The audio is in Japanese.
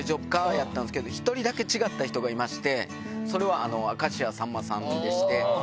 やったんですけど、１人だけ違った人がいまして、それはあの、明石家さんまさんでして。